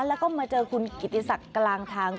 แล้วก็มาเจอคุณกิติศักดิ์กลางทาง